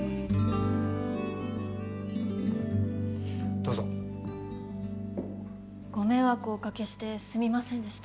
どうぞ。ご迷惑をおかけしてすみませんでした。